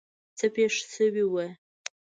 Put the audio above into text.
څه پېښ شوي وو.